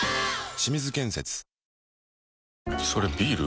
清水建設それビール？